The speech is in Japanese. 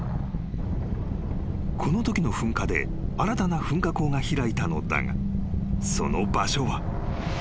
［このときの噴火で新たな噴火口が開いたのだがその場所は］